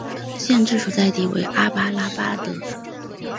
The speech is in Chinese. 县治所在地为阿伯塔巴德。